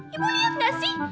ih ibu lihat enggak sih